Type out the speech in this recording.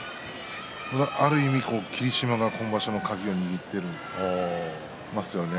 ある意味、霧島が今場所の鍵を握っていますよね。